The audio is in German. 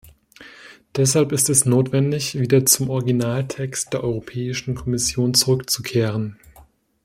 Deshalb ist es notwendig, wieder zum Originaltext der Europäischen Kommission zurückzukehren.